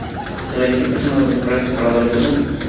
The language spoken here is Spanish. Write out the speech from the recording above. Se le dice que es uno de los mejores escaladores del mundo.